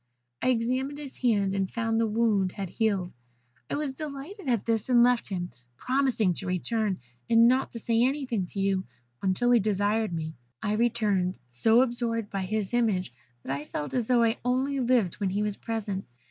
"I examined his hand, and found the wound had healed; I was delighted at this, and left him, promising to return, and not to say anything to you until he desired me. I returned so absorbed by his image that I felt as though I only lived when he was present.